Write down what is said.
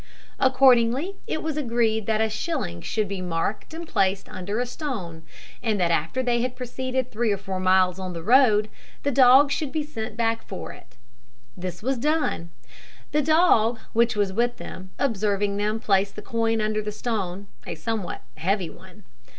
Accordingly it was agreed that a shilling should be marked and placed under a stone, and that after they had proceeded three or four miles on their road, the dog should be sent back for it. This was done the dog, which was with them, observing them place the coin under the stone, a somewhat heavy one.